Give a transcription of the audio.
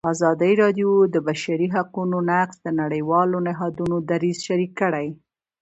ازادي راډیو د د بشري حقونو نقض د نړیوالو نهادونو دریځ شریک کړی.